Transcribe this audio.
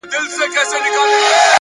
ما تاته د پرون د خوب تعبير پر مخ گنډلی;